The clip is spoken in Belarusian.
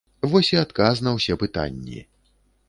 Вось і адказ на ўсе пытанні.